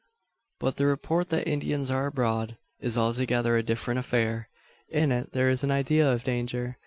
But the report that Indians are abroad, is altogether a different affair. In it there is an idea of danger.